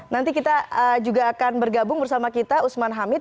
nanti kita juga akan bergabung bersama kita usman hamid